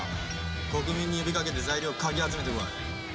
国民に呼びかけて材料かき集めてこい。